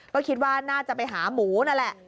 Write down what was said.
ก็คิดว่าน่าจะไปหาหมูนั่นแหละ